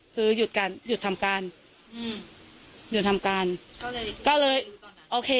คือหยุดการหยุดทำการอืมหยุดทำการก็เลยก็เลยโอเค